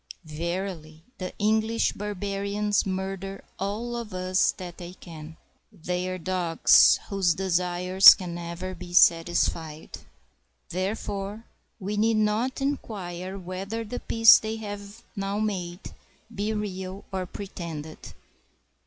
Verily, the English barbarians murder all of us that they can. They are dogs, whose desires can never be satisfied. Therefore we need not inquire whether the peace they have now made be real or pretended.